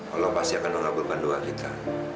allah pasti akan menolak bulkan doa kita